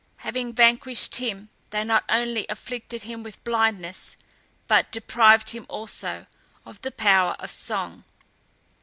Having vanquished him, they not only afflicted him with blindness, but deprived him also of the power of song.